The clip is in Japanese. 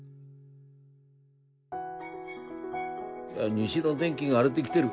西の天気が荒れできてる。